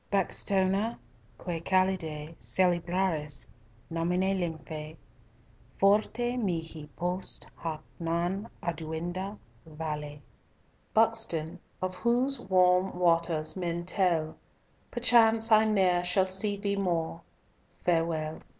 Buxtona, quae calidae celebraris nomine lymphae Forte mihi post hac non adeunda, Vale. (Buxton of whose warm waters men tell, Perchance I ne'er shall see thee more, Farewell.)